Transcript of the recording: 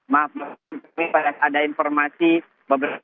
maaf pada saat ada informasi beberapa